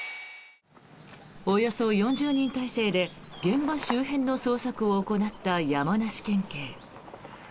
およそ４０人態勢で現場周辺の捜索を行った山梨県警。